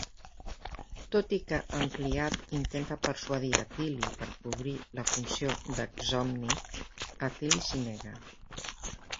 Tot i que Ampliat intenta persuadir Atili per cobrir la funció d'Exomni, Atili s'hi nega.